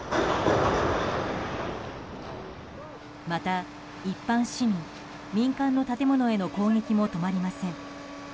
また、一般市民、民間の建物への攻撃も止まりません。